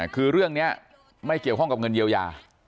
คือเรื่องนี้ไม่เกี่ยวข้องกับเงินเยียวยา